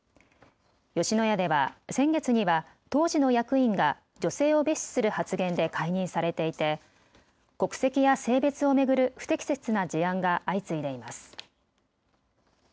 吉野家では先月には当時の役員が女性を蔑視する発言で解任されていて国籍や性別を巡る不適切な事案が相次いでいます。